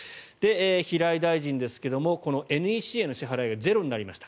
平井大臣ですがＮＥＣへの支払いがゼロになりました。